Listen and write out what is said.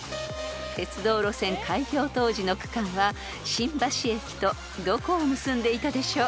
［鉄道路線開業当時の区間は新橋駅とどこを結んでいたでしょう？］